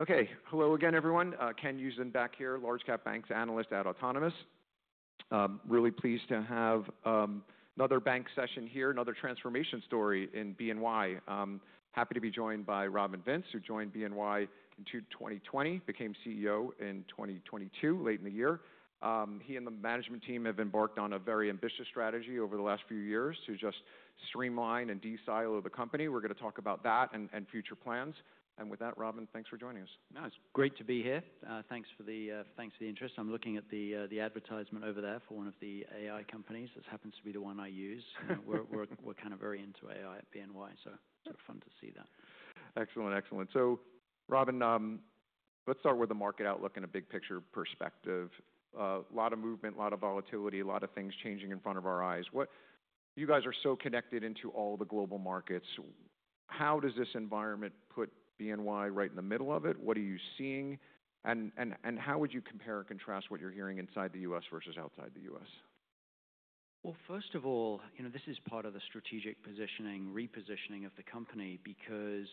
Okay, hello again, everyone. Ken Usdin back here, large-cap banks analyst at Autonomous. Really pleased to have another bank session here, another transformation story in BNY. Happy to be joined by Robin Vince, who joined BNY in 2020, became CEO in 2022, late in the year. He and the management team have embarked on a very ambitious strategy over the last few years to just streamline and de-silo the company. We are going to talk about that and future plans. With that, Robin, thanks for joining us. No, it's great to be here. Thanks for the interest. I'm looking at the advertisement over there for one of the AI companies. This happens to be the one I use. We're kind of very into AI at BNY, so it's fun to see that. Excellent, excellent. Robin, let's start with the market outlook and a big-picture perspective. A lot of movement, a lot of volatility, a lot of things changing in front of our eyes. You guys are so connected into all the global markets. How does this environment put BNY Mellon right in the middle of it? What are you seeing? How would you compare and contrast what you're hearing inside the U.S. versus outside the U.S.? First of all, this is part of the strategic positioning, repositioning of the company, because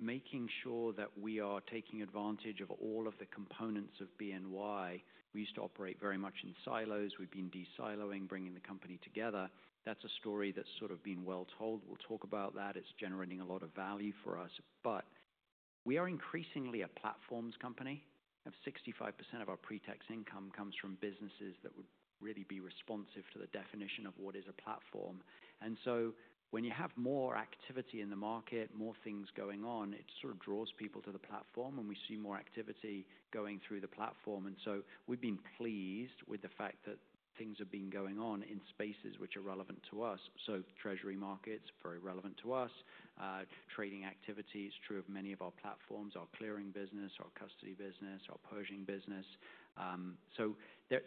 making sure that we are taking advantage of all of the components of BNY Mellon. We used to operate very much in silos. We've been de-siloing, bringing the company together. That's a story that's sort of been well told. We'll talk about that. It's generating a lot of value for us. We are increasingly a platforms company. 65% of our pre-tax income comes from businesses that would really be responsive to the definition of what is a platform. When you have more activity in the market, more things going on, it sort of draws people to the platform, and we see more activity going through the platform. We've been pleased with the fact that things have been going on in spaces which are relevant to us. Treasury markets, very relevant to us. Trading activity is true of many of our platforms, our clearing business, our custody business, our Pershing business.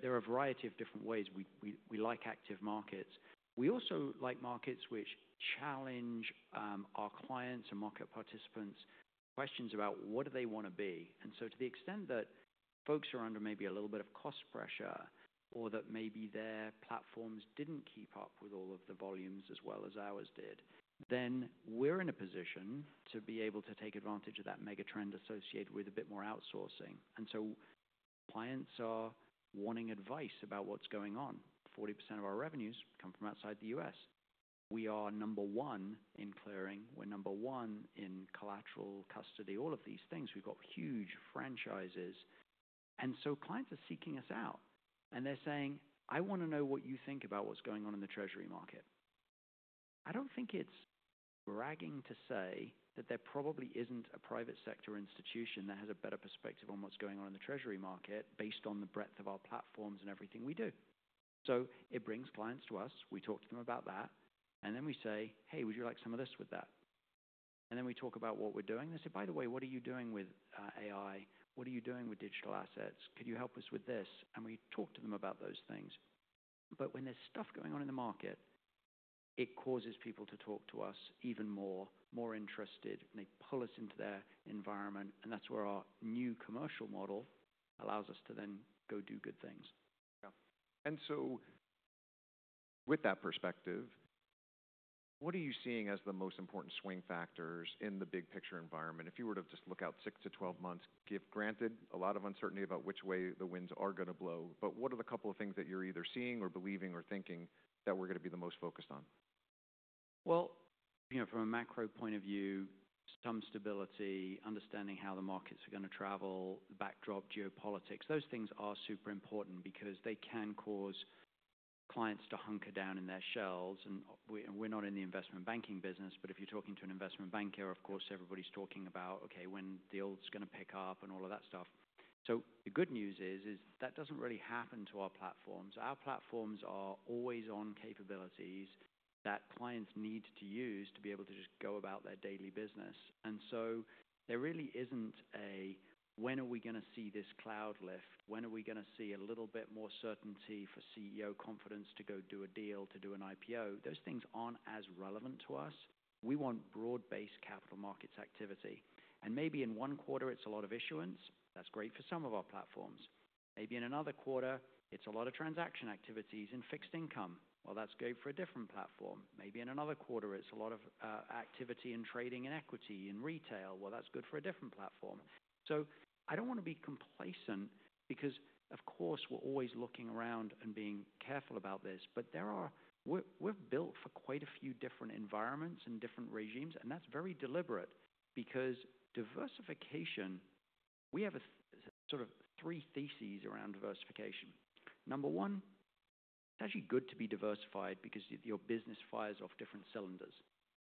There are a variety of different ways. We like active markets. We also like markets which challenge our clients and market participants' questions about what do they want to be. To the extent that folks are under maybe a little bit of cost pressure or that maybe their platforms did not keep up with all of the volumes as well as ours did, we are in a position to be able to take advantage of that megatrend associated with a bit more outsourcing. Our clients are wanting advice about what is going on. 40% of our revenues come from outside the U.S. We are number one in clearing. We are number one in collateral, custody, all of these things. We have got huge franchises. Clients are seeking us out, and they're saying, "I want to know what you think about what's going on in the treasury market." I don't think it's bragging to say that there probably isn't a private sector institution that has a better perspective on what's going on in the treasury market based on the breadth of our platforms and everything we do. It brings clients to us. We talk to them about that. We say, "Hey, would you like some of this with that?" We talk about what we're doing. They say, "By the way, what are you doing with AI? What are you doing with digital assets? Could you help us with this?" We talk to them about those things. When there's stuff going on in the market, it causes people to talk to us even more, more interested, and they pull us into their environment. That's where our new commercial model allows us to then go do good things. Yeah. And with that perspective, what are you seeing as the most important swing factors in the big-picture environment? If you were to just look out six to twelve months, given a lot of uncertainty about which way the winds are going to blow, what are the couple of things that you're either seeing or believing or thinking that we're going to be the most focused on? From a macro point of view, some stability, understanding how the markets are going to travel, backdrop, geopolitics, those things are super important because they can cause clients to hunker down in their shells. We are not in the investment banking business, but if you are talking to an investment banker, of course, everybody is talking about, "Okay, when is the olds going to pick up?" and all of that stuff. The good news is that does not really happen to our platforms. Our platforms are always on capabilities that clients need to use to be able to just go about their daily business. There really is not a, "When are we going to see this cloud lift? When are we going to see a little bit more certainty for CEO confidence to go do a deal, to do an IPO?" Those things are not as relevant to us. We want broad-based capital markets activity. Maybe in one quarter, it's a lot of issuance. That's great for some of our platforms. Maybe in another quarter, it's a lot of transaction activities in fixed income. That's good for a different platform. Maybe in another quarter, it's a lot of activity in trading and equity in retail. That's good for a different platform. I don't want to be complacent because, of course, we're always looking around and being careful about this, but we're built for quite a few different environments and different regimes, and that's very deliberate because diversification, we have sort of three theses around diversification. Number one, it's actually good to be diversified because your business fires off different cylinders.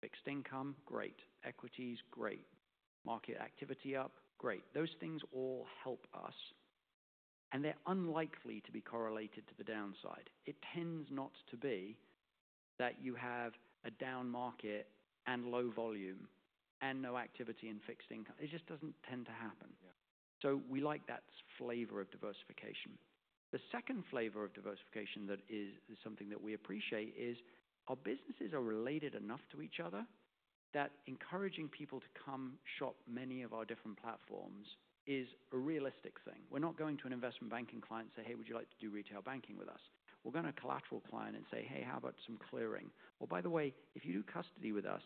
Fixed income, great. Equities, great. Market activity up, great. Those things all help us, and they're unlikely to be correlated to the downside. It tends not to be that you have a down market and low volume and no activity in fixed income. It just does not tend to happen. We like that flavor of diversification. The second flavor of diversification that is something that we appreciate is our businesses are related enough to each other that encouraging people to come shop many of our different platforms is a realistic thing. We are not going to an investment banking client and say, "Hey, would you like to do retail banking with us?" We will go to a collateral client and say, "Hey, how about some clearing?" By the way, if you do custody with us,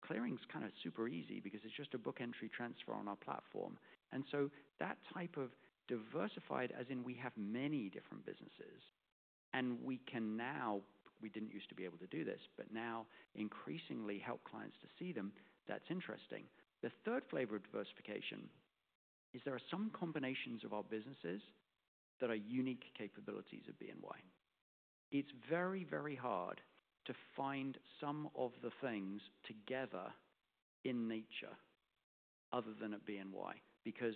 clearing is kind of super easy because it is just a book entry transfer on our platform. That type of diversified, as in we have many different businesses, and we can now, we did not used to be able to do this, but now increasingly help clients to see them. That is interesting. The third flavor of diversification is there are some combinations of our businesses that are unique capabilities of BNY Mellon. It is very, very hard to find some of the things together in nature other than at BNY Mellon because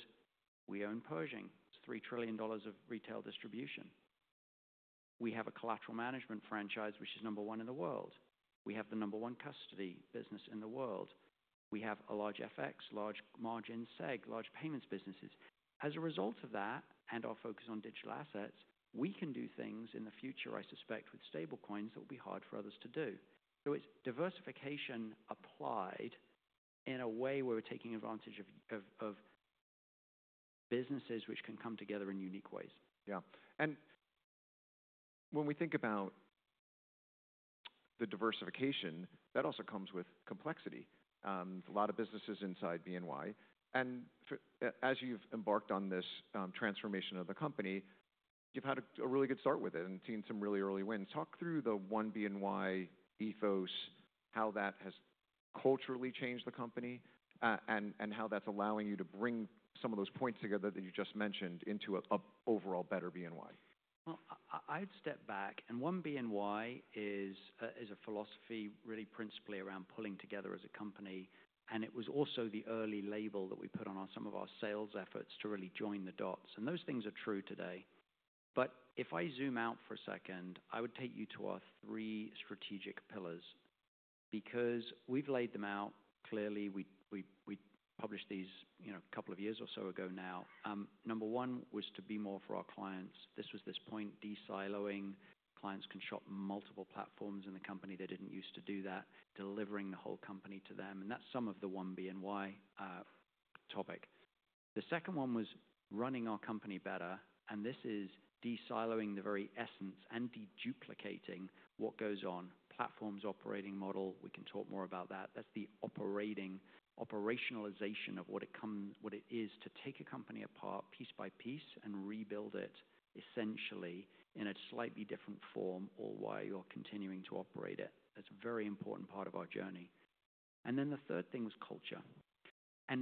we own Pershing. It is $3 trillion of retail distribution. We have a collateral management franchise, which is number one in the world. We have the number one custody business in the world. We have a large FX, large margin SEG, large payments businesses. As a result of that and our focus on digital assets, we can do things in the future, I suspect, with stablecoins that will be hard for others to do. It's diversification applied in a way where we're taking advantage of businesses which can come together in unique ways. Yeah. When we think about the diversification, that also comes with complexity. There's a lot of businesses inside BNY. As you've embarked on this transformation of the company, you've had a really good start with it and seen some really early wins. Talk through the 1BNY ethos, how that has culturally changed the company, and how that's allowing you to bring some of those points together that you just mentioned into an overall better BNY. I'd step back. 1BNY is a philosophy really principally around pulling together as a company. It was also the early label that we put on some of our sales efforts to really join the dots. Those things are true today. If I zoom out for a second, I would take you to our three strategic pillars because we've laid them out clearly. We published these a couple of years or so ago now. Number one was to be more for our clients. This was this point, de-siloing. Clients can shop multiple platforms in the company. They didn't used to do that. Delivering the whole company to them. That's some of the 1BNY topic. The second one was running our company better. This is de-siloing the very essence and de-duplicating what goes on. Platforms operating model, we can talk more about that. That's the operationalization of what it is to take a company apart piece by piece and rebuild it essentially in a slightly different form while you're continuing to operate it. That's a very important part of our journey. The third thing was culture.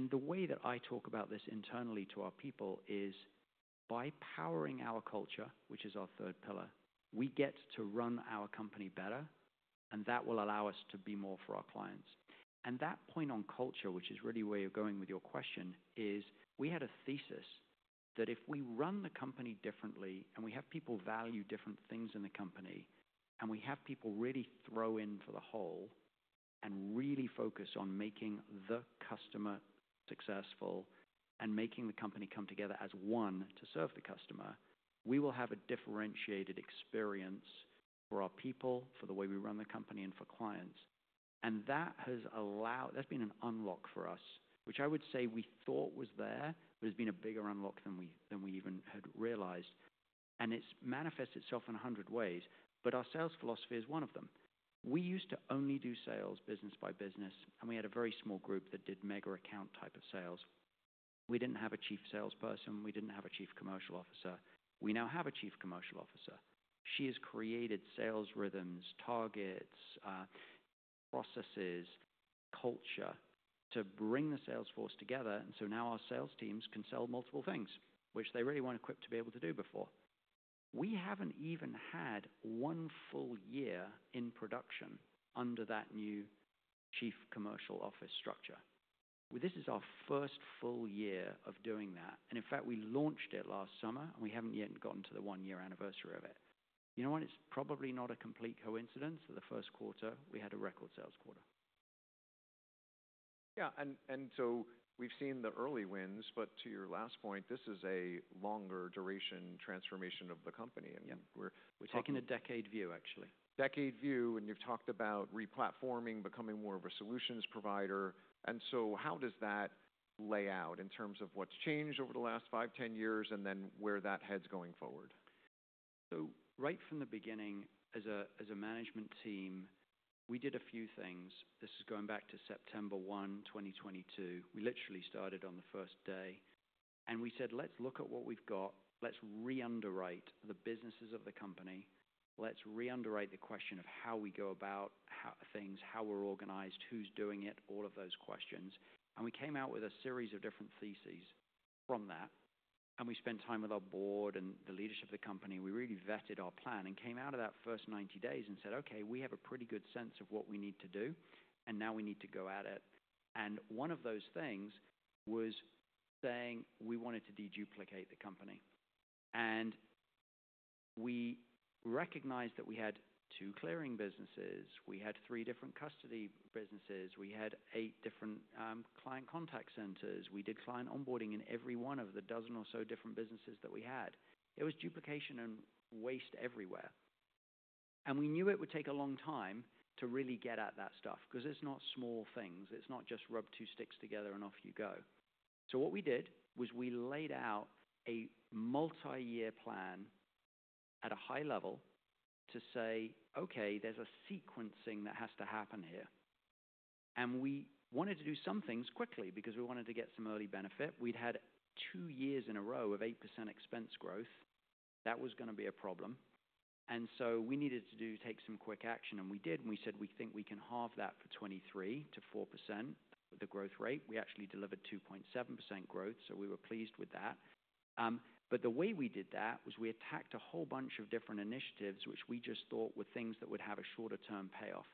The way that I talk about this internally to our people is by powering our culture, which is our third pillar, we get to run our company better, and that will allow us to be more for our clients. That point on culture, which is really where you're going with your question, is we had a thesis that if we run the company differently and we have people value different things in the company and we have people really throw in for the whole and really focus on making the customer successful and making the company come together as one to serve the customer, we will have a differentiated experience for our people, for the way we run the company, and for clients. That has allowed, that's been an unlock for us, which I would say we thought was there, but it's been a bigger unlock than we even had realized. It's manifested itself in a hundred ways, but our sales philosophy is one of them. We used to only do sales business by business, and we had a very small group that did mega account type of sales. We did not have a Chief Salesperson. We did not have a Chief Commercial Officer. We now have a Chief Commercial Officer. She has created sales rhythms, targets, processes, culture to bring the sales force together. Now our sales teams can sell multiple things, which they really were not equipped to be able to do before. We have not even had one full year in production under that new Chief Commercial Office structure. This is our first full year of doing that. In fact, we launched it last summer, and we have not yet gotten to the one-year anniversary of it. You know what? It is probably not a complete coincidence that the first quarter we had a record sales quarter. Yeah. And so we've seen the early wins, but to your last point, this is a longer duration transformation of the company. Yeah. We're taking a decade view, actually. Decade view, and you've talked about replatforming, becoming more of a solutions provider. How does that lay out in terms of what's changed over the last five, ten years and then where that heads going forward? Right from the beginning, as a management team, we did a few things. This is going back to September 1, 2022. We literally started on the first day. We said, "Let's look at what we've got. Let's re-underwrite the businesses of the company. Let's re-underwrite the question of how we go about things, how we're organized, who's doing it, all of those questions." We came out with a series of different theses from that. We spent time with our board and the leadership of the company. We really vetted our plan and came out of that first 90 days and said, "Okay, we have a pretty good sense of what we need to do, and now we need to go at it." One of those things was saying we wanted to de-duplicate the company. We recognized that we had two clearing businesses. We had three different custody businesses. We had eight different client contact centers. We did client onboarding in every one of the dozen or so different businesses that we had. It was duplication and waste everywhere. We knew it would take a long time to really get at that stuff because it's not small things. It's not just rub two sticks together and off you go. What we did was we laid out a multi-year plan at a high level to say, "Okay, there's a sequencing that has to happen here." We wanted to do some things quickly because we wanted to get some early benefit. We'd had two years in a row of 8% expense growth. That was going to be a problem. We needed to take some quick action, and we did. We said, "We think we can halve that for 2023 to 4%, the growth rate." We actually delivered 2.7% growth, so we were pleased with that. The way we did that was we attacked a whole bunch of different initiatives which we just thought were things that would have a shorter-term payoff.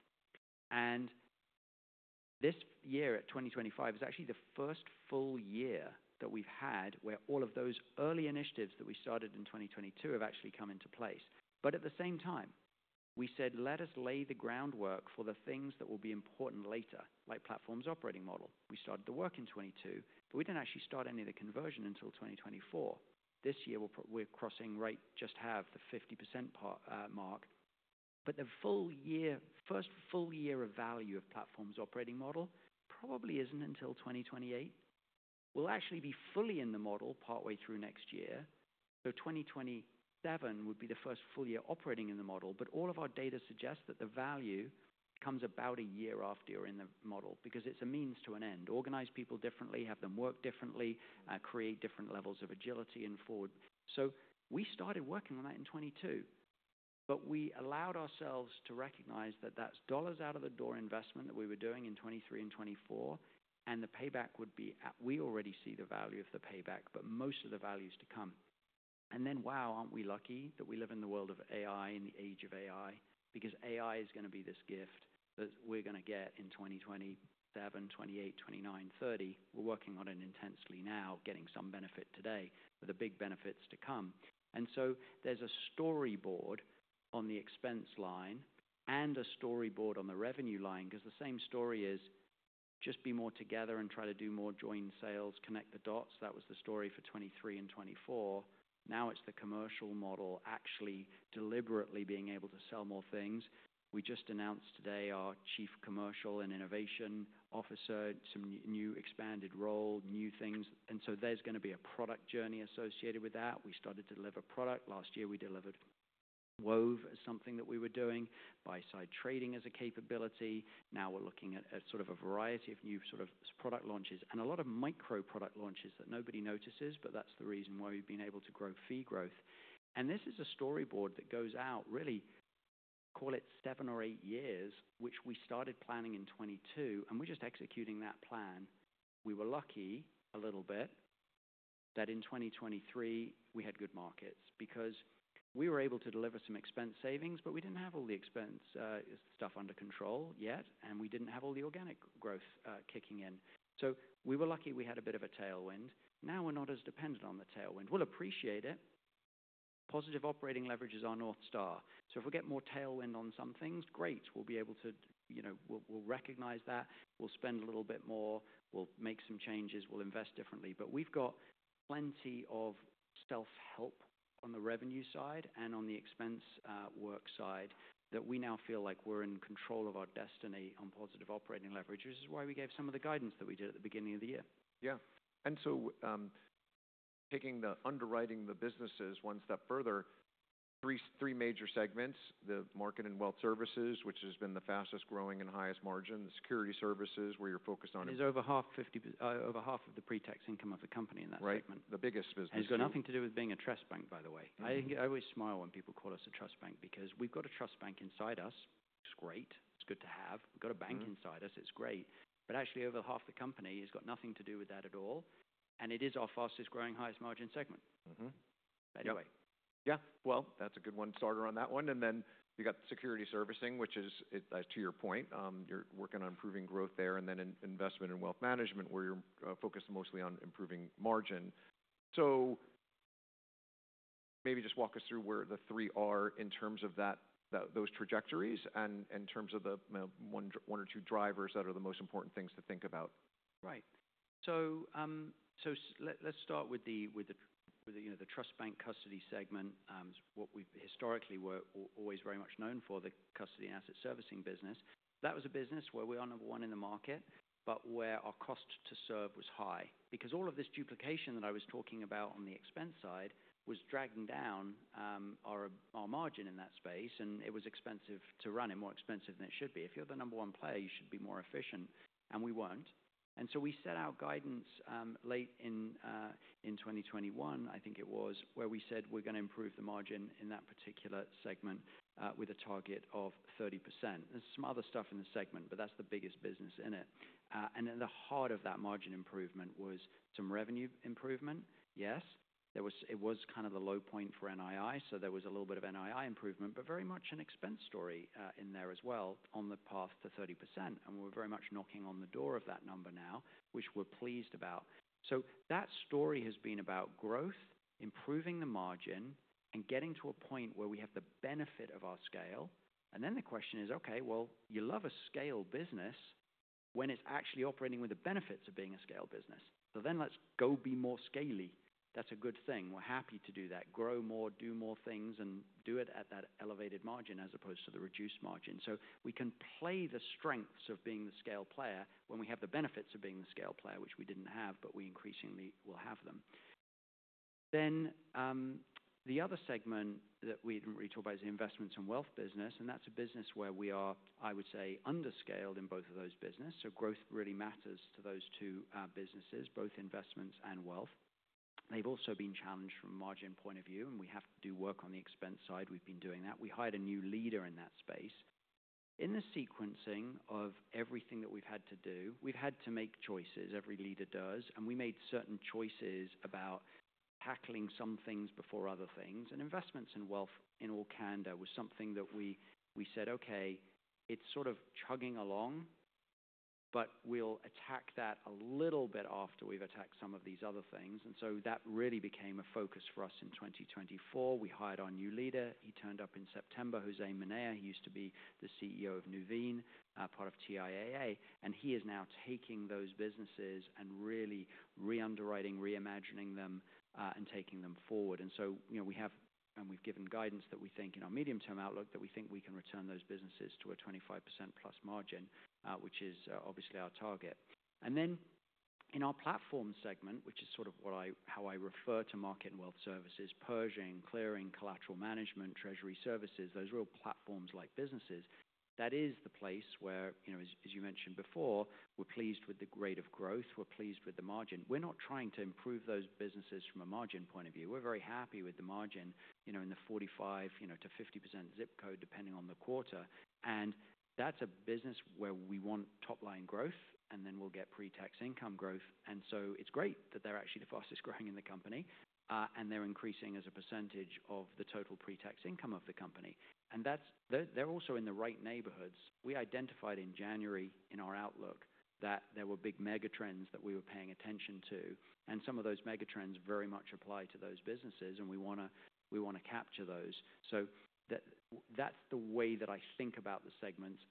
This year at 2025 is actually the first full year that we've had where all of those early initiatives that we started in 2022 have actually come into place. At the same time, we said, "Let us lay the groundwork for the things that will be important later, like platforms operating model." We started the work in 2022, but we did not actually start any of the conversion until 2024. This year, we're crossing right just half the 50% mark. The first full year of value of platforms operating model probably is not until 2028. We'll actually be fully in the model partway through next year. 2027 would be the first full year operating in the model, but all of our data suggests that the value comes about a year after you're in the model because it's a means to an end. Organize people differently, have them work differently, create different levels of agility and forward. We started working on that in 2022, but we allowed ourselves to recognize that that's dollars out of the door investment that we were doing in 2023 and 2024, and the payback would be we already see the value of the payback, but most of the value is to come. Wow, aren't we lucky that we live in the world of AI, in the age of AI, because AI is going to be this gift that we're going to get in 2027, 2028, 2029, 2030. We're working on it intensely now, getting some benefit today, but the big benefits to come. There is a storyboard on the expense line and a storyboard on the revenue line because the same story is just be more together and try to do more joint sales, connect the dots. That was the story for 2023 and 2024. Now it is the commercial model actually deliberately being able to sell more things. We just announced today our Chief Commercial and Innovation Officer, some new expanded role, new things. There is going to be a product journey associated with that. We started to deliver product. Last year, we delivered Wove as something that we were doing, BuySide Trading as a capability. Now we're looking at sort of a variety of new sort of product launches and a lot of micro product launches that nobody notices, but that's the reason why we've been able to grow fee growth. And this is a storyboard that goes out really, call it seven or eight years, which we started planning in 2022, and we're just executing that plan. We were lucky a little bit that in 2023 we had good markets because we were able to deliver some expense savings, but we didn't have all the expense stuff under control yet, and we didn't have all the organic growth kicking in. So we were lucky we had a bit of a tailwind. Now we're not as dependent on the tailwind. We'll appreciate it. Positive operating leverage is our North Star. If we get more tailwind on some things, great. We'll be able to, we'll recognize that. We'll spend a little bit more. We'll make some changes. We'll invest differently. We've got plenty of self-help on the revenue side and on the expense work side that we now feel like we're in control of our destiny on positive operating leverage, which is why we gave some of the guidance that we did at the beginning of the year. Yeah. And so taking the underwriting the businesses one step further, three major segments, the market and wealth services, which has been the fastest growing and highest margin, the security services where you're focused on. It is over 1/2 of the pre-tax income of the company in that segment. Right. The biggest business. It has got nothing to do with being a trust bank, by the way. I always smile when people call us a trust bank because we have got a trust bank inside us. It is great. It is good to have. We have got a bank inside us. It is great. Actually, over half the company has got nothing to do with that at all. It is our fastest growing, highest margin segment. Anyway. Yeah. That's a good one starter on that one. Then you got security servicing, which is, to your point, you're working on improving growth there, and then investment and wealth management where you're focused mostly on improving margin. Maybe just walk us through where the three are in terms of those trajectories and in terms of the one or two drivers that are the most important things to think about. Right. Let's start with the trust bank custody segment, what we've historically always very much known for, the custody and asset servicing business. That was a business where we were number one in the market, but where our cost to serve was high because all of this duplication that I was talking about on the expense side was dragging down our margin in that space, and it was expensive to run and more expensive than it should be. If you're the number one player, you should be more efficient, and we weren't. We set out guidance late in 2021, I think it was, where we said we're going to improve the margin in that particular segment with a target of 30%. There's some other stuff in the segment, but that's the biggest business in it. At the heart of that margin improvement was some revenue improvement. Yes. It was kind of the low point for NII, so there was a little bit of NII improvement, but very much an expense story in there as well on the path to 30%. We are very much knocking on the door of that number now, which we are pleased about. That story has been about growth, improving the margin, and getting to a point where we have the benefit of our scale. The question is, okay, you love a scale business when it is actually operating with the benefits of being a scale business. Let us go be more scaley. That is a good thing. We are happy to do that, grow more, do more things, and do it at that elevated margin as opposed to the reduced margin. We can play the strengths of being the scale player when we have the benefits of being the scale player, which we did not have, but we increasingly will have them. The other segment that we did not really talk about is the investments and wealth business. That is a business where we are, I would say, underscaled in both of those businesses. Growth really matters to those two businesses, both investments and wealth. They have also been challenged from a margin point of view, and we have to do work on the expense side. We have been doing that. We hired a new leader in that space. In the sequencing of everything that we have had to do, we have had to make choices. Every leader does. We made certain choices about tackling some things before other things. Investments and wealth in all candor was something that we said, "Okay, it's sort of chugging along, but we'll attack that a little bit after we've attacked some of these other things." That really became a focus for us in 2024. We hired our new leader. He turned up in September, José Minaya. He used to be the CEO of Nuveen, part of TIAA. He is now taking those businesses and really re-underwriting, re-imagining them, and taking them forward. We have, and we've given guidance that we think in our medium-term outlook that we think we can return those businesses to a 25%+ margin, which is obviously our target. In our platform segment, which is sort of how I refer to market and wealth services, Pershing, clearing, collateral management, treasury services, those real platforms-like businesses, that is the place where, as you mentioned before, we're pleased with the rate of growth. We're pleased with the margin. We're not trying to improve those businesses from a margin point of view. We're very happy with the margin in the 45%-50% zip code, depending on the quarter. That is a business where we want top-line growth, and then we'll get pre-tax income growth. It is great that they're actually the fastest growing in the company, and they're increasing as a percentage of the total pre-tax income of the company. They're also in the right neighborhoods. We identified in January in our outlook that there were big mega trends that we were paying attention to. Some of those mega trends very much apply to those businesses, and we want to capture those. That is the way that I think about the segments.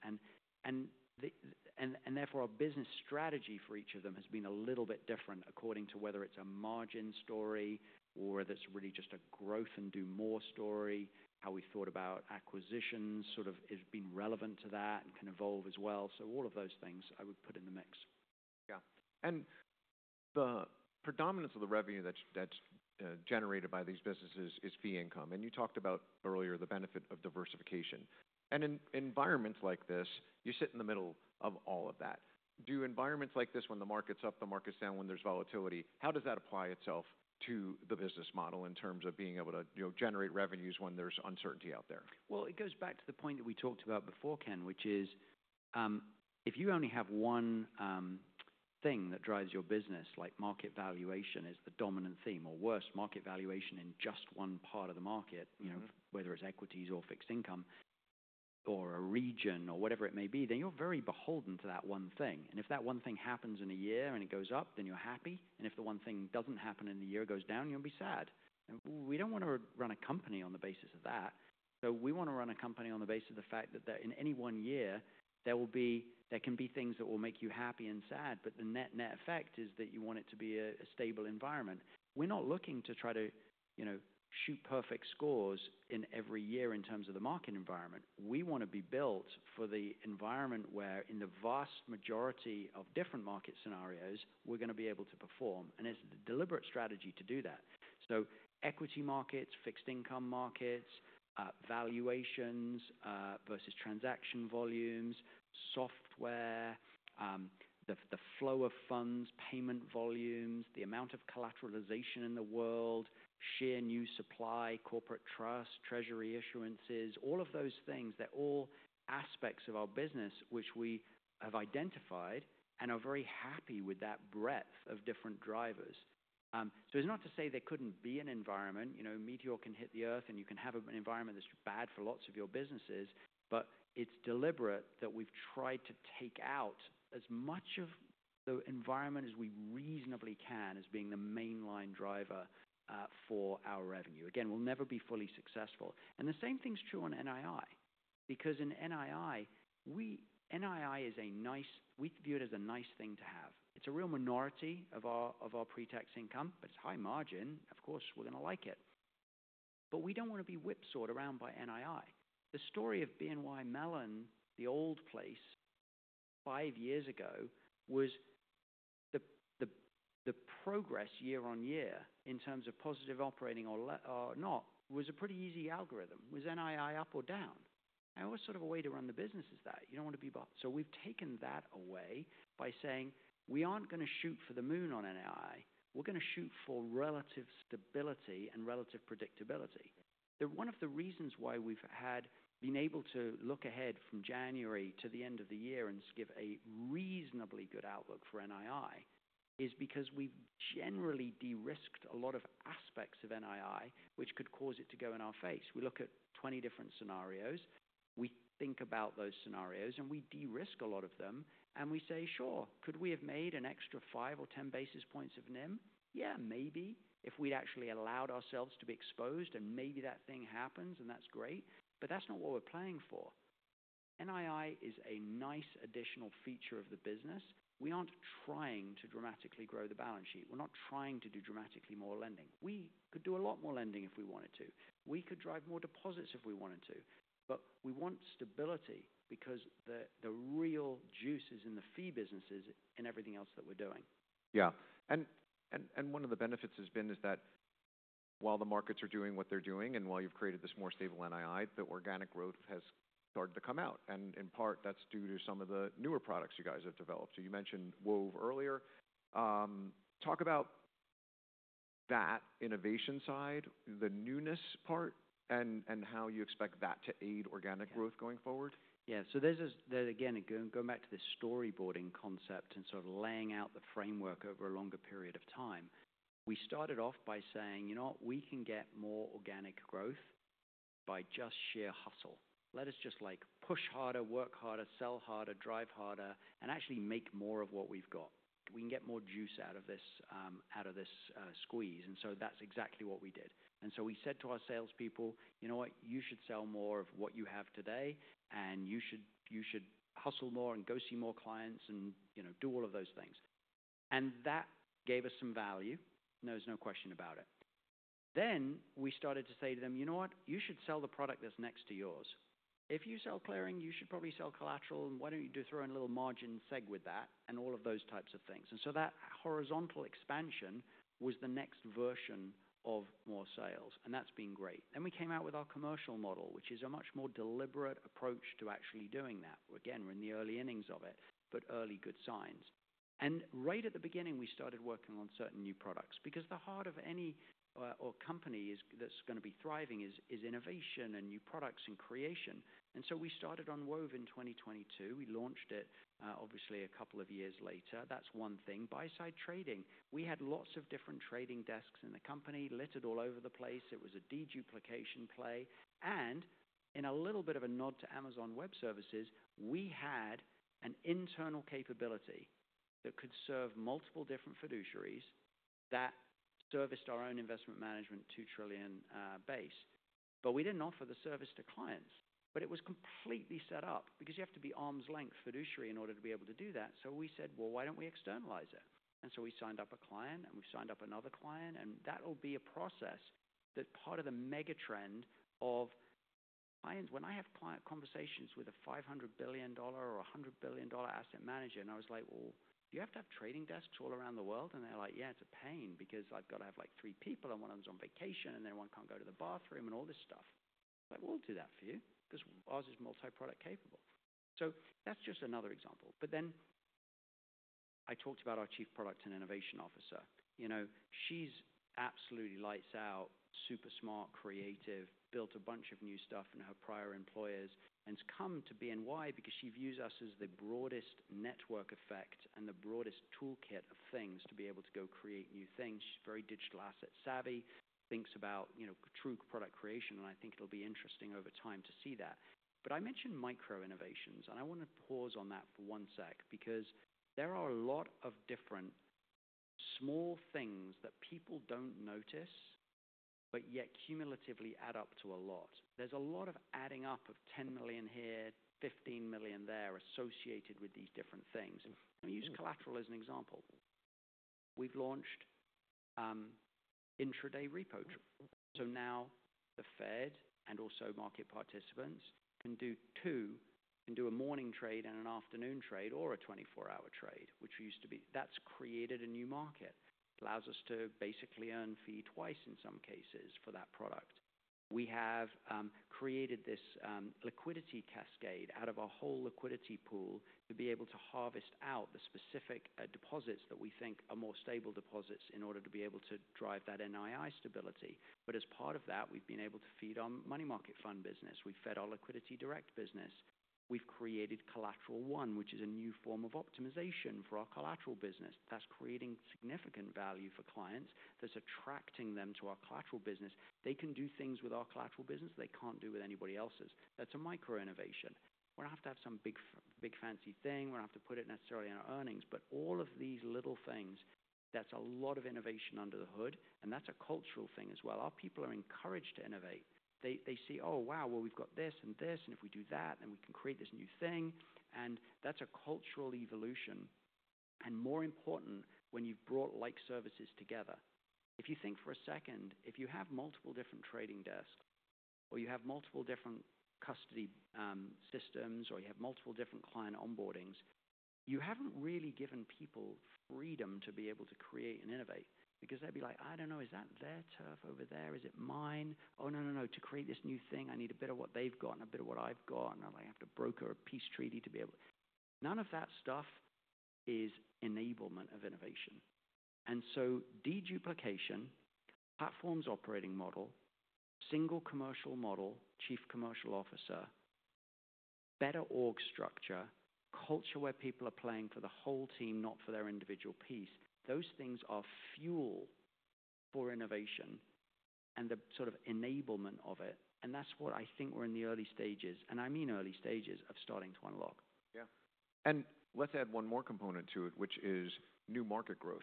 Therefore, our business strategy for each of them has been a little bit different according to whether it is a margin story or that is really just a growth and do more story. How we thought about acquisitions has been relevant to that and can evolve as well. All of those things I would put in the mix. Yeah. The predominance of the revenue that's generated by these businesses is fee income. You talked about earlier the benefit of diversification. In environments like this, you sit in the middle of all of that. Do environments like this, when the market's up, the market's down, when there's volatility, how does that apply itself to the business model in terms of being able to generate revenues when there's uncertainty out there? It goes back to the point that we talked about before, Ken, which is if you only have one thing that drives your business, like market valuation is the dominant theme, or worse, market valuation in just one part of the market, whether it is equities or fixed income or a region or whatever it may be, then you are very beholden to that one thing. If that one thing happens in a year and it goes up, then you are happy. If the one thing does not happen in a year and it goes down, you will be sad. We do not want to run a company on the basis of that. We want to run a company on the basis of the fact that in any one year, there can be things that will make you happy and sad, but the net-net effect is that you want it to be a stable environment. We're not looking to try to shoot perfect scores in every year in terms of the market environment. We want to be built for the environment where, in the vast majority of different market scenarios, we're going to be able to perform. It's a deliberate strategy to do that. Equity markets, fixed income markets, valuations versus transaction volumes, software, the flow of funds, payment volumes, the amount of collateralization in the world, sheer new supply, corporate trust, treasury issuances, all of those things, they're all aspects of our business which we have identified and are very happy with that breadth of different drivers. It's not to say there couldn't be an environment. Meteor can hit the earth, and you can have an environment that's bad for lots of your businesses, but it's deliberate that we've tried to take out as much of the environment as we reasonably can as being the mainline driver for our revenue. Again, we'll never be fully successful. The same thing's true on NII because in NII, NII is a nice—we view it as a nice thing to have. It's a real minority of our pre-tax income, but it's high margin. Of course, we're going to like it. We don't want to be whipsawed around by NII. The story of BNY Mellon, the old place, five years ago was the progress year on year in terms of positive operating or not was a pretty easy algorithm. Was NII up or down? It was sort of a way to run the businesses that you do not want to be behind. We have taken that away by saying, "We are not going to shoot for the moon on NII. We are going to shoot for relative stability and relative predictability." One of the reasons why we have been able to look ahead from January to the end of the year and give a reasonably good outlook for NII is because we have generally de-risked a lot of aspects of NII which could cause it to go in our face. We look at 20 different scenarios. We think about those scenarios, and we de-risk a lot of them. We say, "Sure, could we have made an extra 5 or 10 basis points of NIM? Yeah, maybe if we'd actually allowed ourselves to be exposed, and maybe that thing happens, and that's great. That is not what we're playing for. NII is a nice additional feature of the business. We aren't trying to dramatically grow the balance sheet. We're not trying to do dramatically more lending. We could do a lot more lending if we wanted to. We could drive more deposits if we wanted to. We want stability because the real juice is in the fee businesses and everything else that we're doing. Yeah. One of the benefits has been is that while the markets are doing what they're doing and while you've created this more stable NII, the organic growth has started to come out. In part, that's due to some of the newer products you guys have developed. You mentioned Wove earlier. Talk about that innovation side, the newness part, and how you expect that to aid organic growth going forward. Yeah. There is again, going back to the storyboarding concept and sort of laying out the framework over a longer period of time, we started off by saying, "We can get more organic growth by just sheer hustle. Let us just push harder, work harder, sell harder, drive harder, and actually make more of what we have got. We can get more juice out of this squeeze." That is exactly what we did. We said to our salespeople, "You know what? You should sell more of what you have today, and you should hustle more and go see more clients and do all of those things." That gave us some value. There is no question about it. We started to say to them, "You know what? You should sell the product that is next to yours. If you sell clearing, you should probably sell collateral. Why don't you throw in a little margin seg with that?" and all of those types of things. That horizontal expansion was the next version of more sales. That has been great. We came out with our commercial model, which is a much more deliberate approach to actually doing that. We are in the early innings of it, but early good signs. Right at the beginning, we started working on certain new products because the heart of any company that is going to be thriving is innovation and new products and creation. We started on Wove in 2022. We launched it, obviously, a couple of years later. That is one thing. Buy-side trading. We had lots of different trading desks in the company littered all over the place. It was a de-duplication play. In a little bit of a nod to Amazon Web Services, we had an internal capability that could serve multiple different fiduciaries that serviced our own investment management $2 trillion base. We did not offer the service to clients. It was completely set up because you have to be arm's length fiduciary in order to be able to do that. We said, "Why do we not externalize it?" We signed up a client, and we signed up another client. That will be a process that is part of the mega trend of clients. When I have client conversations with a $500 billion or $100 billion asset manager, and I was like, "Well, do you have to have trading desks all around the world?" and they're like, "Yeah, it's a pain because I've got to have three people, and one of them's on vacation, and then one can't go to the bathroom and all this stuff." I was like, "We'll do that for you because ours is multi-product capable." That's just another example. I talked about our Chief Product and Innovation Officer. She's absolutely lights out, super smart, creative, built a bunch of new stuff in her prior employers, and has come to BNY because she views us as the broadest network effect and the broadest toolkit of things to be able to go create new things. She's very digital asset savvy, thinks about true product creation. I think it'll be interesting over time to see that. I mentioned micro innovations, and I want to pause on that for one sec because there are a lot of different small things that people do not notice, but yet cumulatively add up to a lot. There is a lot of adding up of $10 million here, $15 million there associated with these different things. We use collateral as an example. We have launched intraday repo. Now the Fed and also market participants can do two, can do a morning trade and an afternoon trade or a 24-hour trade, which used to be, that has created a new market. It allows us to basically earn fee twice in some cases for that product. We have created this liquidity cascade out of our whole liquidity pool to be able to harvest out the specific deposits that we think are more stable deposits in order to be able to drive that NII stability. As part of that, we've been able to feed our money market fund business. We've fed our LiquidityDirect business. We've created Collateral One, which is a new form of optimization for our collateral business. That's creating significant value for clients that's attracting them to our collateral business. They can do things with our collateral business they can't do with anybody else's. That's a micro innovation. We don't have to have some big fancy thing. We don't have to put it necessarily in our earnings. All of these little things, that's a lot of innovation under the hood. That's a cultural thing as well. Our people are encouraged to innovate. They see, "Oh, wow, well, we've got this and this. If we do that, then we can create this new thing." That is a cultural evolution. More important, when you've brought like services together, if you think for a second, if you have multiple different trading desks or you have multiple different custody systems or you have multiple different client onboardings, you have not really given people freedom to be able to create and innovate because they'd be like, "I don't know. Is that their turf over there? Is it mine? Oh, no, no, no. To create this new thing, I need a bit of what they've got and a bit of what I've got. I have to broker a peace treaty to be able to." None of that stuff is enablement of innovation. De-duplication, platforms operating model, single commercial model, Chief Commercial Officer, better org structure, culture where people are playing for the whole team, not for their individual piece, those things are fuel for innovation and the sort of enablement of it. That's what I think we're in the early stages, and I mean early stages, of starting to unlock. Yeah. Let's add one more component to it, which is new market growth.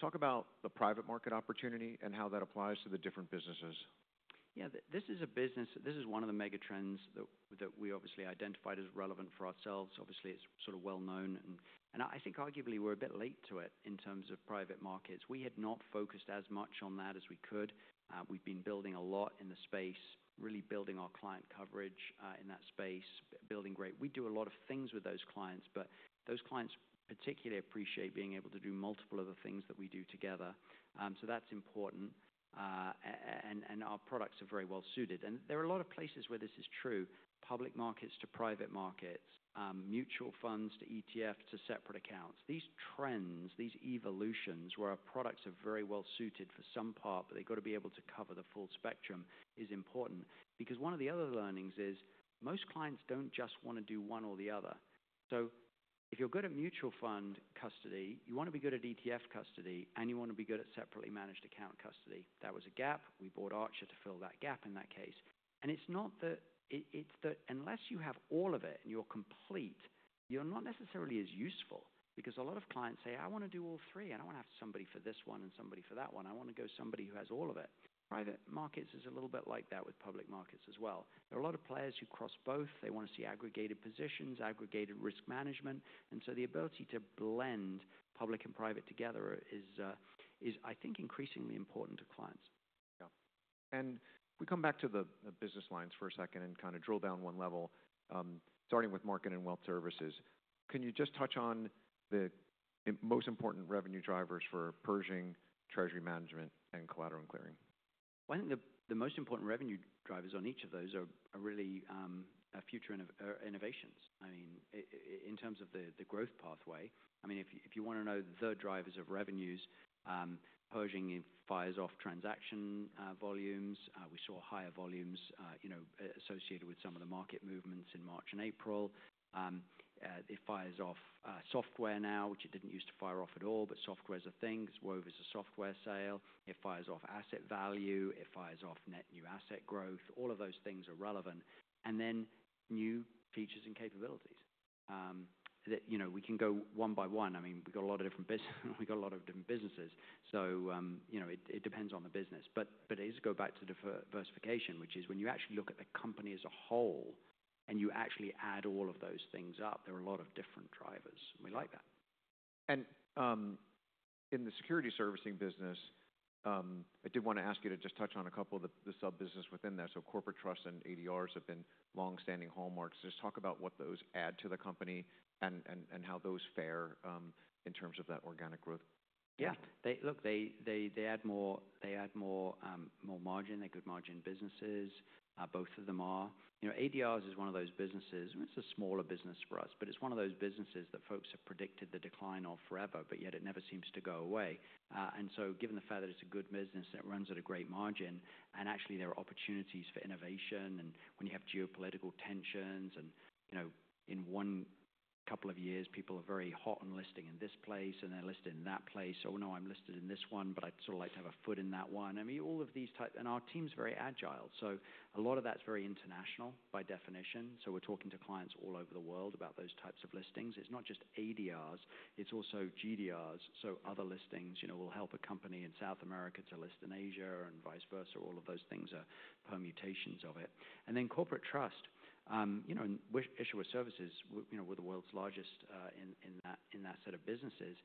Talk about the private market opportunity and how that applies to the different businesses. Yeah. This is a business, this is one of the mega trends that we obviously identified as relevant for ourselves. Obviously, it's sort of well known. I think arguably we're a bit late to it in terms of private markets. We had not focused as much on that as we could. We've been building a lot in the space, really building our client coverage in that space, building great, we do a lot of things with those clients, but those clients particularly appreciate being able to do multiple other things that we do together. That's important. Our products are very well suited. There are a lot of places where this is true, public markets to private markets, mutual funds to ETFs to separate accounts. These trends, these evolutions where our products are very well suited for some part, but they've got to be able to cover the full spectrum is important because one of the other learnings is most clients don't just want to do one or the other. If you're good at mutual fund custody, you want to be good at ETF custody, and you want to be good at separately managed account custody. That was a gap. We bought Archer to fill that gap in that case. It's not that unless you have all of it and you're complete, you're not necessarily as useful because a lot of clients say, "I want to do all three. I don't want to have somebody for this one and somebody for that one. I want to go somebody who has all of it. Private markets is a little bit like that with public markets as well. There are a lot of players who cross both. They want to see aggregated positions, aggregated risk management. The ability to blend public and private together is, I think, increasingly important to clients. Yeah. And we come back to the business lines for a second and kind of drill down one level, starting with market and wealth services. Can you just touch on the most important revenue drivers for Pershing, treasury management, and collateral and clearing? I think the most important revenue drivers on each of those are really future innovations. I mean, in terms of the growth pathway, I mean, if you want to know the drivers of revenues, Pershing fires off transaction volumes. We saw higher volumes associated with some of the market movements in March and April. It fires off software now, which it did not used to fire off at all, but software is a thing. Wove is a software sale. It fires off asset value. It fires off net new asset growth. All of those things are relevant. New features and capabilities that we can go one by one. I mean, we have got a lot of different businesses. We have got a lot of different businesses. It depends on the business. It is go back to diversification, which is when you actually look at the company as a whole and you actually add all of those things up, there are a lot of different drivers. We like that. In the security servicing business, I did want to ask you to just touch on a couple of the sub-businesses within there. Corporate trust and ADRs have been long-standing hallmarks. Just talk about what those add to the company and how those fare in terms of that organic growth. Yeah. Look, they add more margin. They're good margin businesses. Both of them are. ADRs is one of those businesses. It's a smaller business for us, but it's one of those businesses that folks have predicted the decline of forever, but yet it never seems to go away. Given the fact that it's a good business, it runs at a great margin. Actually, there are opportunities for innovation. When you have geopolitical tensions and in one couple of years, people are very hot on listing in this place, and they're listed in that place. "Oh, no, I'm listed in this one, but I'd sort of like to have a foot in that one." I mean, all of these types and our team's very agile. A lot of that's very international by definition. We're talking to clients all over the world about those types of listings. It's not just ADRs. It's also GDRs. Other listings will help a company in South America to list in Asia and vice versa. All of those things are permutations of it. Corporate trust. Inshore services were the world's largest in that set of businesses.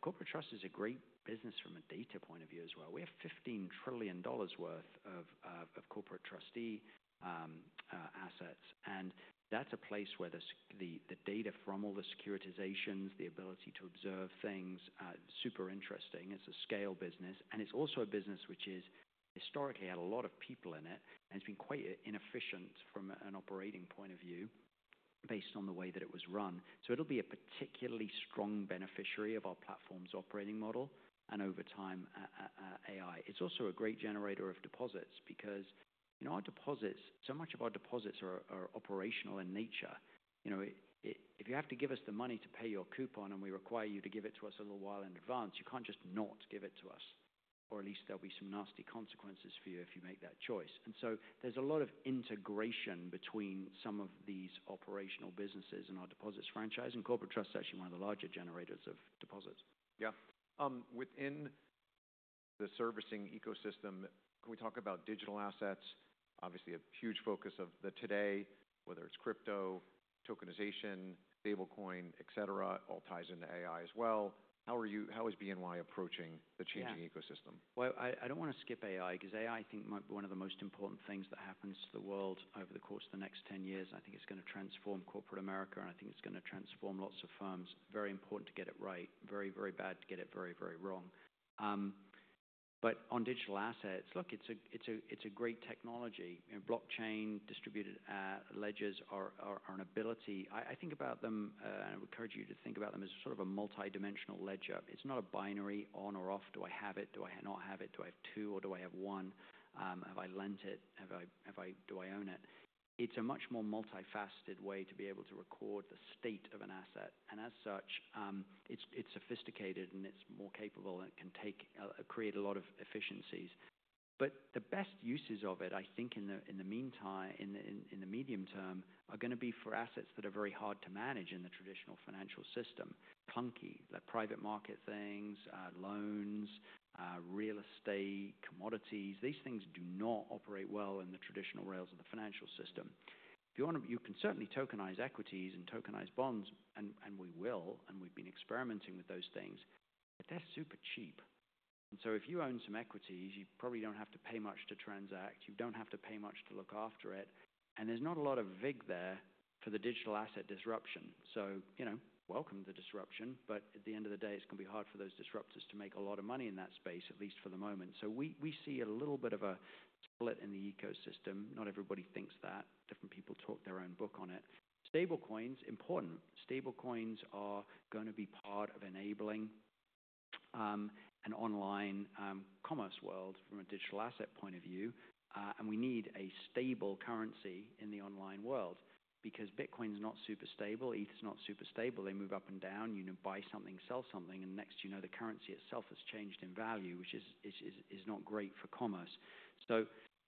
Corporate trust is a great business from a data point of view as well. We have $15 trillion worth of corporate trustee assets. That's a place where the data from all the securitizations, the ability to observe things, super interesting. It's a scale business. It's also a business which has historically had a lot of people in it. It's been quite inefficient from an operating point of view based on the way that it was run. It'll be a particularly strong beneficiary of our platforms operating model and over time, AI. It's also a great generator of deposits because our deposits, so much of our deposits are operational in nature. If you have to give us the money to pay your coupon and we require you to give it to us a little while in advance, you can't just not give it to us. Or at least there'll be some nasty consequences for you if you make that choice. There is a lot of integration between some of these operational businesses and our deposits franchise. Corporate trust is actually one of the larger generators of deposits. Yeah. Within the servicing ecosystem, can we talk about digital assets? Obviously, a huge focus of the today, whether it's crypto, tokenization, stablecoin, etc., all ties into AI as well. How is BNY approaching the changing ecosystem? I do not want to skip AI because AI, I think, might be one of the most important things that happens to the world over the course of the next 10 years. I think it's going to transform corporate America, and I think it's going to transform lots of firms. Very important to get it right. Very, very bad to get it very, very wrong. On digital assets, look, it's a great technology. Blockchain, distributed ledgers are an ability. I think about them, and I would encourage you to think about them as sort of a multidimensional ledger. It's not a binary on or off. Do I have it? Do I not have it? Do I have two or do I have one? Have I lent it? Do I own it? It's a much more multifaceted way to be able to record the state of an asset. As such, it's sophisticated, and it's more capable, and it can create a lot of efficiencies. The best uses of it, I think in the meantime, in the medium term, are going to be for assets that are very hard to manage in the traditional financial system. Clunky, like private market things, loans, real estate, commodities. These things do not operate well in the traditional rails of the financial system. You can certainly tokenize equities and tokenize bonds, and we will, and we've been experimenting with those things, but they're super cheap. If you own some equities, you probably don't have to pay much to transact. You don't have to pay much to look after it. There's not a lot of vig there for the digital asset disruption. Welcome the disruption, but at the end of the day, it's going to be hard for those disruptors to make a lot of money in that space, at least for the moment. We see a little bit of a split in the ecosystem. Not everybody thinks that. Different people talk their own book on it. Stablecoins, important. Stablecoins are going to be part of enabling an online commerce world from a digital asset point of view. We need a stable currency in the online world because Bitcoin's not super stable. ETH is not super stable. They move up and down. You buy something, sell something, and next you know the currency itself has changed in value, which is not great for commerce.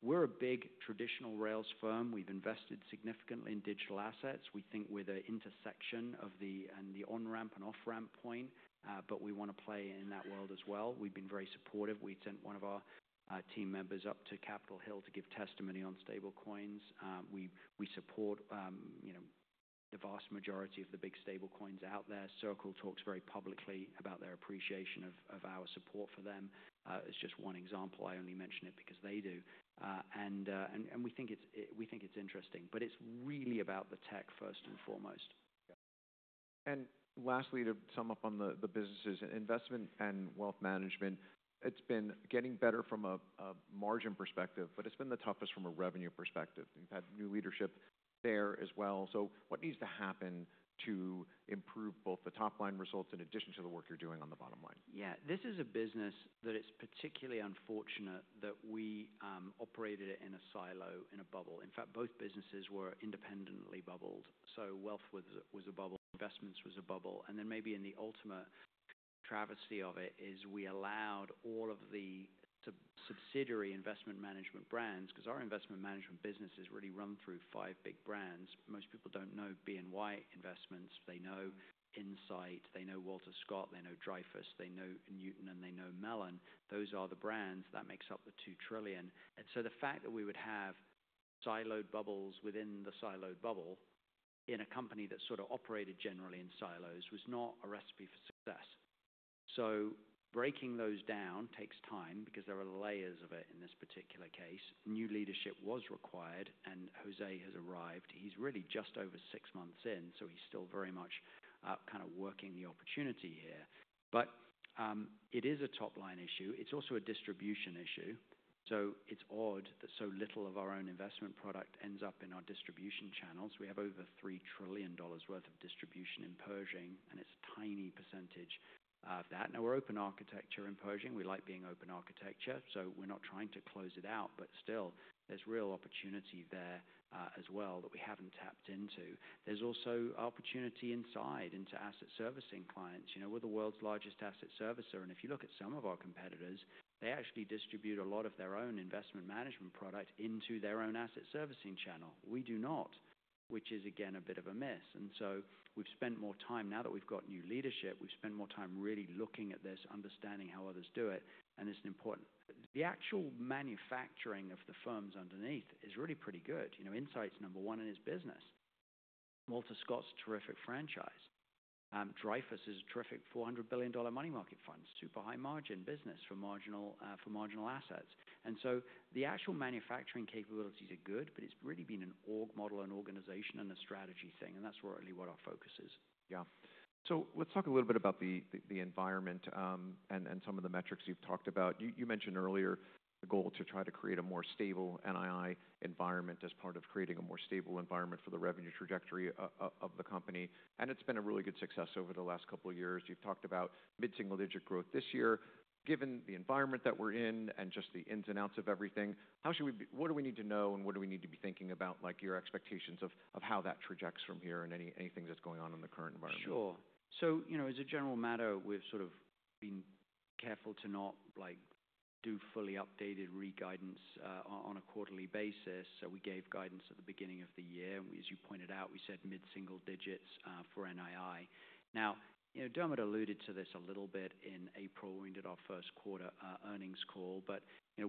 We're a big traditional rails firm. We've invested significantly in digital assets. We think we're the intersection of the on-ramp and off-ramp point, but we want to play in that world as well. We've been very supportive. We sent one of our team members up to Capitol Hill to give testimony on stablecoins. We support the vast majority of the big stablecoins out there. Circle talks very publicly about their appreciation of our support for them. It's just one example. I only mention it because they do. We think it's interesting, but it's really about the tech first and foremost. Yeah. Lastly, to sum up on the businesses, investment and wealth management, it's been getting better from a margin perspective, but it's been the toughest from a revenue perspective. You've had new leadership there as well. What needs to happen to improve both the top-line results in addition to the work you're doing on the bottom line? Yeah. This is a business that it's particularly unfortunate that we operated it in a silo, in a bubble. In fact, both businesses were independently bubbled. Wealth was a bubble. Investments was a bubble. In the ultimate travesty of it is we allowed all of the subsidiary investment management brands because our investment management businesses really run through five big brands. Most people do not know BNY Investments. They know Insight. They know Walter Scott. They know Dreyfus. They know Newton, and they know Mellon. Those are the brands that make up the $2 trillion. The fact that we would have siloed bubbles within the siloed bubble in a company that sort of operated generally in silos was not a recipe for success. Breaking those down takes time because there are layers of it in this particular case. New leadership was required, and José has arrived. He's really just over six months in, so he's still very much kind of working the opportunity here. It is a top-line issue. It is also a distribution issue. It is odd that so little of our own investment product ends up in our distribution channels. We have over $3 trillion worth of distribution in Pershing, and it is a tiny percentage of that. Now, we're open architecture in Pershing. We like being open architecture, so we're not trying to close it out, but still, there's real opportunity there as well that we haven't tapped into. There is also opportunity inside into asset servicing clients. We're the world's largest asset servicer. If you look at some of our competitors, they actually distribute a lot of their own investment management product into their own asset servicing channel. We do not, which is, again, a bit of a miss. We have spent more time now that we have got new leadership, we have spent more time really looking at this, understanding how others do it. It is important. The actual manufacturing of the firms underneath is really pretty good. Insight is number one in its business. Walter Scott is a terrific franchise. Dreyfus is a terrific $400 billion money market fund, super high margin business for marginal assets. The actual manufacturing capabilities are good, but it has really been an org model and organization and a strategy thing. That is really what our focus is. Yeah. Let's talk a little bit about the environment and some of the metrics you've talked about. You mentioned earlier the goal to try to create a more stable NII environment as part of creating a more stable environment for the revenue trajectory of the company. It's been a really good success over the last couple of years. You've talked about mid-single-digit growth this year. Given the environment that we're in and just the ins and outs of everything, what do we need to know and what do we need to be thinking about, like your expectations of how that projects from here and any things that's going on in the current environment? Sure. As a general matter, we've sort of been careful to not do fully updated re-guidance on a quarterly basis. We gave guidance at the beginning of the year. As you pointed out, we said mid-single digits for NII. Now, Dermot alluded to this a little bit in April when we did our first quarter earnings call, but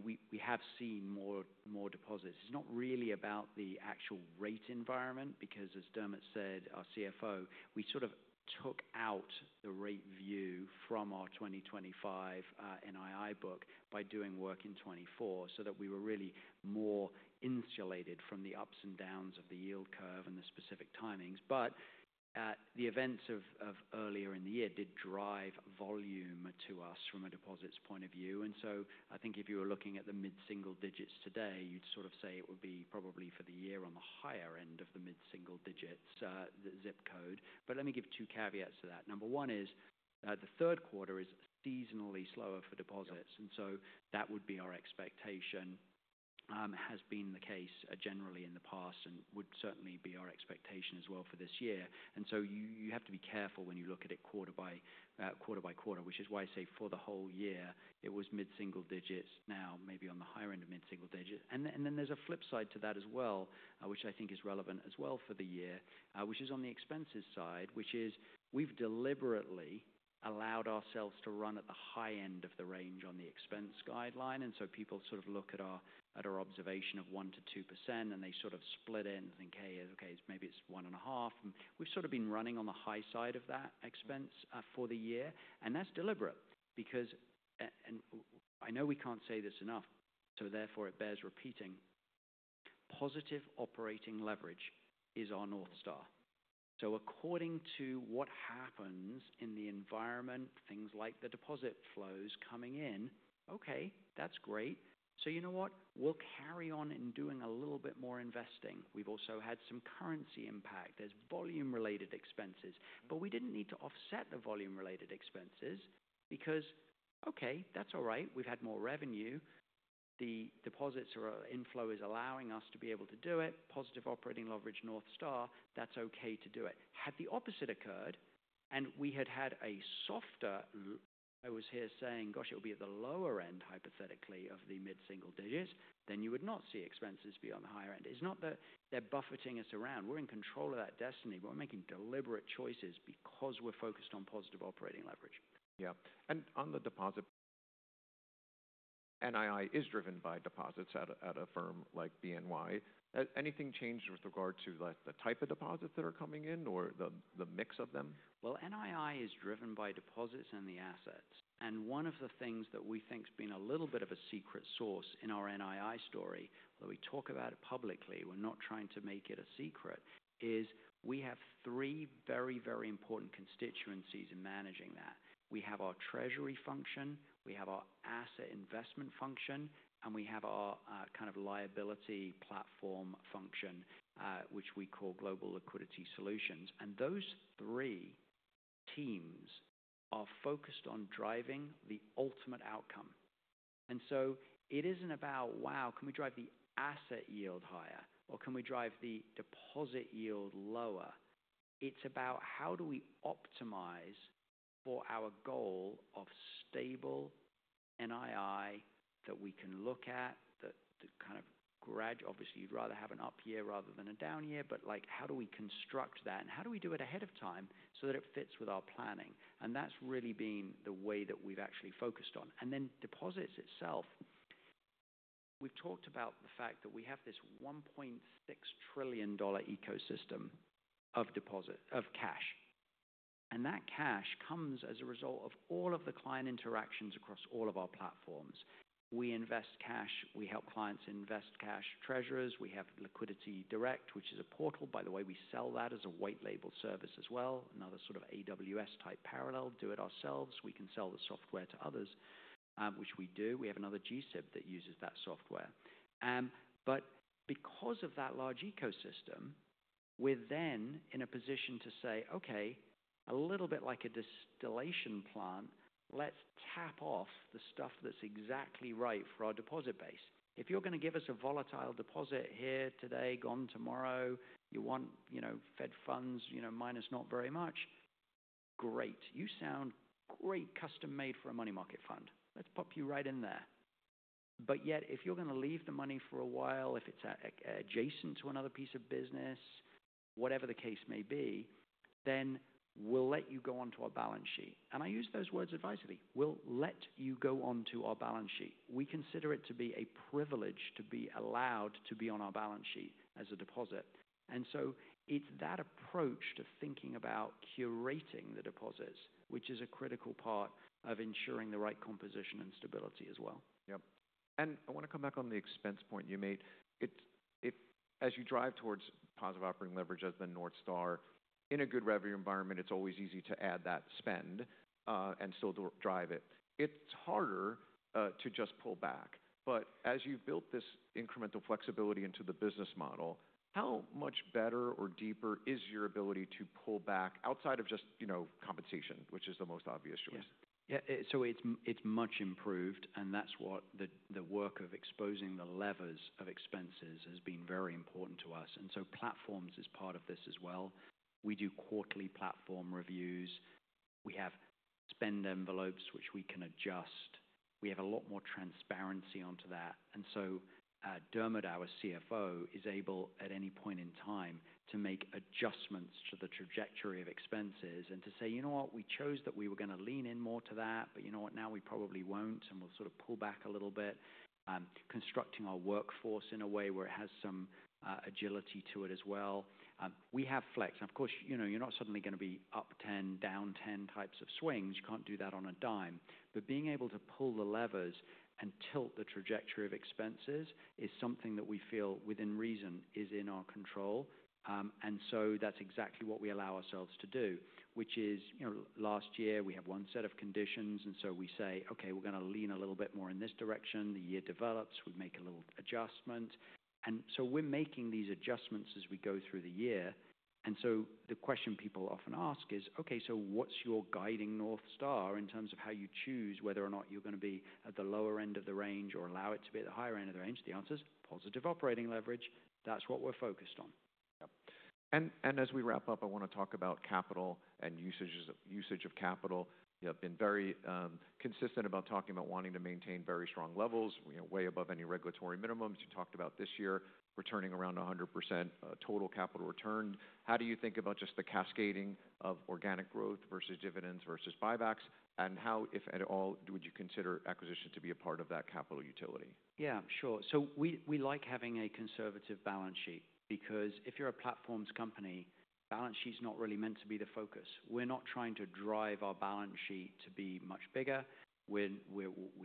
we have seen more deposits. It is not really about the actual rate environment because, as Dermot said, our CFO, we sort of took out the rate view from our 2025 NII book by doing work in 2024 so that we were really more insulated from the ups and downs of the yield curve and the specific timings. The events of earlier in the year did drive volume to us from a deposits point of view. I think if you were looking at the mid-single digits today, you'd sort of say it would be probably for the year on the higher end of the mid-single digits zip code. Let me give two caveats to that. Number one is the third quarter is seasonally slower for deposits. That would be our expectation, has been the case generally in the past and would certainly be our expectation as well for this year. You have to be careful when you look at it quarter by quarter, which is why I say for the whole year, it was mid-single digits. Now, maybe on the higher end of mid-single digits. There is a flip side to that as well, which I think is relevant as well for the year, which is on the expenses side, which is we've deliberately allowed ourselves to run at the high end of the range on the expense guideline. People sort of look at our observation of 1%-2%, and they sort of split it and think, "Okay, maybe it's 1.5%." We've sort of been running on the high side of that expense for the year. That is deliberate because I know we can't say this enough, so therefore it bears repeating. Positive operating leverage is our North Star. According to what happens in the environment, things like the deposit flows coming in, okay, that's great. You know what? We'll carry on in doing a little bit more investing. We've also had some currency impact. There's volume-related expenses, but we didn't need to offset the volume-related expenses because, okay, that's all right. We've had more revenue. The deposits or inflow is allowing us to be able to do it. Positive operating leverage, North Star. That's okay to do it. Had the opposite occurred and we had had a softer, I was here saying, "Gosh, it would be at the lower end, hypothetically, of the mid-single digits," then you would not see expenses be on the higher end. It's not that they're buffeting us around. We're in control of that destiny, but we're making deliberate choices because we're focused on positive operating leverage. Yeah. On the deposit, NII is driven by deposits at a firm like BNY. Anything changed with regard to the type of deposits that are coming in or the mix of them? NII is driven by deposits and the assets. One of the things that we think has been a little bit of a secret sauce in our NII story, although we talk about it publicly, we're not trying to make it a secret, is we have three very, very important constituencies in managing that. We have our treasury function. We have our asset investment function, and we have our kind of liability platform function, which we call Global Liquidity Solutions. Those three teams are focused on driving the ultimate outcome. It isn't about, "Wow, can we drive the asset yield higher?" or, "Can we drive the deposit yield lower?" It's about how do we optimize for our goal of stable NII that we can look at, that kind of obviously you'd rather have an up year rather than a down year, but how do we construct that? How do we do it ahead of time so that it fits with our planning? That's really been the way that we've actually focused on. Deposits itself, we've talked about the fact that we have this $1.6 trillion ecosystem of cash. That cash comes as a result of all of the client interactions across all of our platforms. We invest cash. We help clients invest cash, treasurers. We have LiquidityDirect, which is a portal. By the way, we sell that as a white-label service as well, another sort of AWS-type parallel, do-it-yourselves. We can sell the software to others, which we do. We have another GCIP that uses that software. Because of that large ecosystem, we're then in a position to say, "Okay, a little bit like a distillation plant, let's tap off the stuff that's exactly right for our deposit base. If you're going to give us a volatile deposit here today, gone tomorrow, you want Fed funds minus not very much, great. You sound great, custom-made for a money market fund. Let's pop you right in there." Yet, if you're going to leave the money for a while, if it's adjacent to another piece of business, whatever the case may be, we'll let you go onto our balance sheet. I use those words advisedly. We let you go onto our balance sheet. We consider it to be a privilege to be allowed to be on our balance sheet as a deposit. It is that approach to thinking about curating the deposits, which is a critical part of ensuring the right composition and stability as well. Yep. I want to come back on the expense point you made. As you drive towards positive operating leverage as the North Star, in a good revenue environment, it's always easy to add that spend and still drive it. It's harder to just pull back. As you've built this incremental flexibility into the business model, how much better or deeper is your ability to pull back outside of just compensation, which is the most obvious choice? Yeah. So it's much improved, and that's what the work of exposing the levers of expenses has been very important to us. Platforms is part of this as well. We do quarterly platform reviews. We have spend envelopes, which we can adjust. We have a lot more transparency onto that. Dermot, our CFO, is able at any point in time to make adjustments to the trajectory of expenses and to say, "You know what? We chose that we were going to lean in more to that, but you know what? Now we probably won't, and we'll sort of pull back a little bit," constructing our workforce in a way where it has some agility to it as well. We have flex. Of course, you're not suddenly going to be up 10, down 10 types of swings. You can't do that on a dime. Being able to pull the levers and tilt the trajectory of expenses is something that we feel within reason is in our control. That is exactly what we allow ourselves to do, which is last year we have one set of conditions, and we say, "Okay, we're going to lean a little bit more in this direction. The year develops. We make a little adjustment." We are making these adjustments as we go through the year. The question people often ask is, "Okay, so what's your guiding North Star in terms of how you choose whether or not you're going to be at the lower end of the range or allow it to be at the higher end of the range?" The answer is positive operating leverage. That is what we're focused on. Yep. As we wrap up, I want to talk about capital and usage of capital. You have been very consistent about talking about wanting to maintain very strong levels, way above any regulatory minimums. You talked about this year returning around 100% total capital return. How do you think about just the cascading of organic growth versus dividends versus buybacks? How, if at all, would you consider acquisition to be a part of that capital utility? Yeah, sure. We like having a conservative balance sheet because if you're a platforms company, balance sheet is not really meant to be the focus. We're not trying to drive our balance sheet to be much bigger. We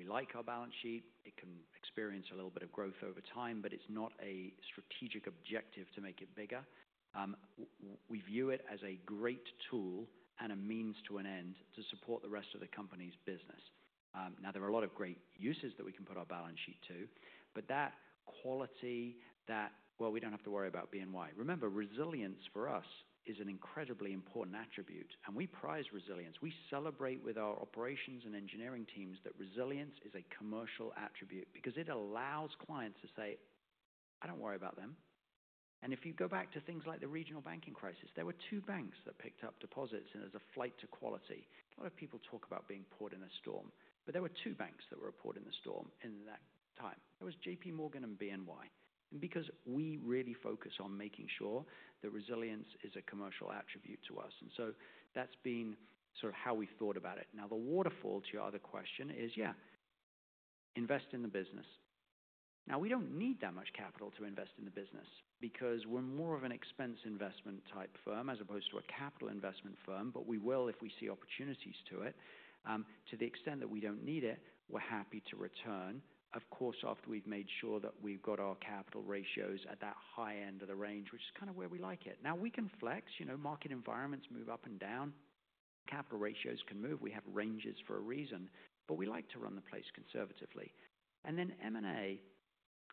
like our balance sheet. It can experience a little bit of growth over time, but it's not a strategic objective to make it bigger. We view it as a great tool and a means to an end to support the rest of the company's business. Now, there are a lot of great uses that we can put our balance sheet to, but that quality, that, "Well, we don't have to worry about BNY." Remember, resilience for us is an incredibly important attribute, and we prize resilience. We celebrate with our operations and engineering teams that resilience is a commercial attribute because it allows clients to say, "I do not worry about them." If you go back to things like the regional banking crisis, there were two banks that picked up deposits, and there is a flight to quality. A lot of people talk about being a port in a storm, but there were two banks that were a port in the storm in that time. It was JP Morgan and BNY. We really focus on making sure that resilience is a commercial attribute to us. That has been sort of how we thought about it. Now, the waterfall to your other question is, yeah, invest in the business. Now, we do not need that much capital to invest in the business because we are more of an expense investment type firm as opposed to a capital investment firm, but we will if we see opportunities to it. To the extent that we do not need it, we are happy to return. Of course, after we have made sure that we have got our capital ratios at that high end of the range, which is kind of where we like it. Now, we can flex. Market environments move up and down. Capital ratios can move. We have ranges for a reason, but we like to run the place conservatively. M&A,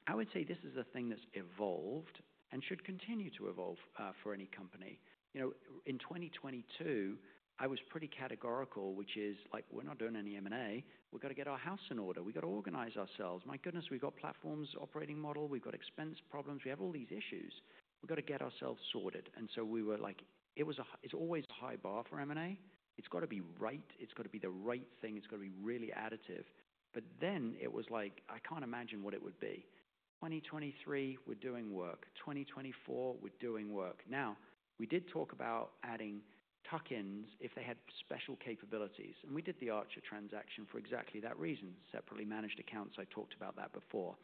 I would say this is a thing that has evolved and should continue to evolve for any company. In 2022, I was pretty categorical, which is like, "We are not doing any M&A. We have got to get our house in order. We've got to organize ourselves. My goodness, we've got platforms operating model. We've got expense problems. We have all these issues. We've got to get ourselves sorted. It is always a high bar for M&A. It's got to be right. It's got to be the right thing. It's got to be really additive. I can't imagine what it would be. 2023, we're doing work. 2024, we're doing work. Now, we did talk about adding tuck-ins if they had special capabilities. We did the Archer transaction for exactly that reason, separately managed accounts. I talked about that before.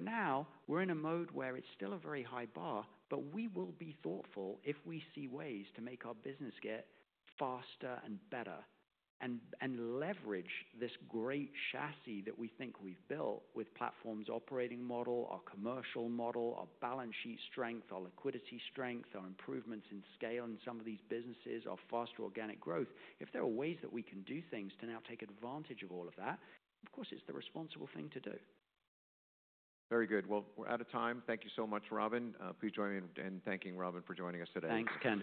Now we're in a mode where it's still a very high bar, but we will be thoughtful if we see ways to make our business get faster and better and leverage this great chassis that we think we've built with platforms operating model, our commercial model, our balance sheet strength, our liquidity strength, our improvements in scale in some of these businesses, our faster organic growth. If there are ways that we can do things to now take advantage of all of that, of course, it's the responsible thing to do. Very good. We are out of time. Thank you so much, Robin. Please join me in thanking Robin for joining us today. Thanks.